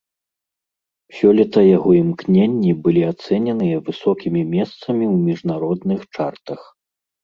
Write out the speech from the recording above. Сёлета яго імкненні былі ацэненыя высокімі месцамі ў міжнародных чартах.